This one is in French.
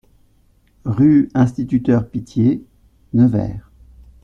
Rue Instituteur Pittié, Nevers